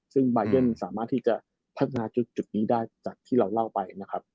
ซึ่งบายันสามารถที่จะพัฒนาจุดนี้ได้จากที่เราเล่าไปนะครับ